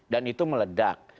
dan itu meledak